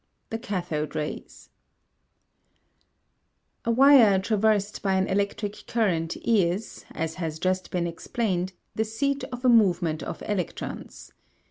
THE CATHODE RAYS A wire traversed by an electric current is, as has just been explained, the seat of a movement of electrons.